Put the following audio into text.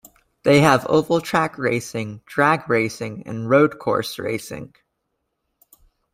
They have oval track racing, drag racing, and road course racing.